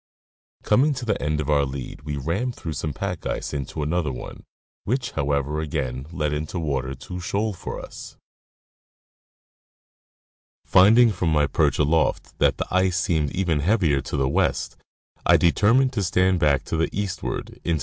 Coming to the end of our lead we rammed through some pack ice into another one, which, however, again led into water too shoal for us. Finding from my perch aloft that the ice seemed even heavier to the west, I determined to stand back to the eastward into the 192 .